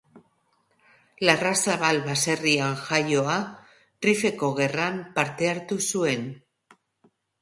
Larrazabal baserrian jaioa, Rifeko gerran parte hartu zuen.